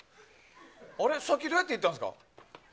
さっきどうやって行ったんですか？